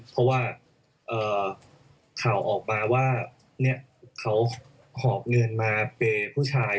เพราะว่าข่าวออกมาว่าเขาหอบเงินมาเปย์ผู้ชาย